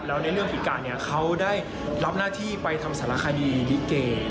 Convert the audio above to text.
แล้วในเรื่องผีกะเขาได้รับหน้าที่ไปทำศาลคดีลิเกย์